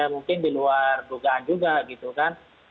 mungkin diluar dugaan juga gitu kan